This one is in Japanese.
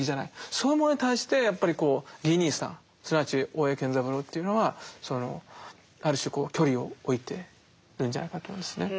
そういうものに対してギー兄さんすなわち大江健三郎というのはある種距離を置いてるんじゃないかと思うんですね。